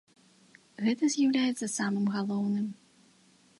Гэта з'яўляецца самым галоўным.